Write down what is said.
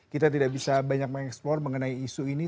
kita tidak bisa banyak mengeksplor mengenai isu ini